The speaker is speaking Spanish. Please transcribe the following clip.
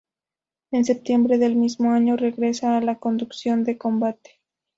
En Septiembre del mismo año regresa a la conducción de Combate.